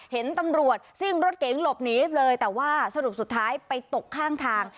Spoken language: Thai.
เห็นตำรวจซิ่งรถเก๋งหลบหนีเลยแต่ว่าสรุปสุดท้ายไปตกข้างทาง